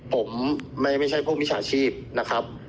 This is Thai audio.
ผมไม่ใช่พวกมิจฉาชีพนะครับ